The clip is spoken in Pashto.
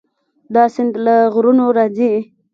دا سیند له غرونو راځي.